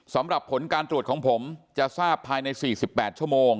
สำหรับผลการตรวจของผมจะทราบภายใน๔๘ชั่วโมง